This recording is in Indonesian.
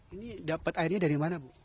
ini dapat airnya dari mana bu